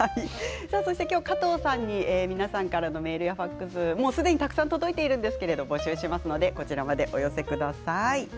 今日は加藤さんに皆さんからのメールやファックスもうすでにたくさん届いてるんですけど募集しますのでお寄せください。